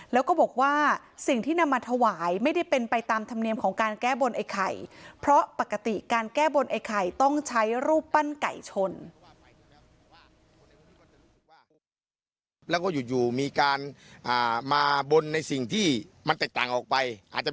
แล้วก็บอกว่าสิ่งที่นำมาถวายไม่ได้เป็นไปตามธรรมเนียมของการแก้บนไอ้ไข่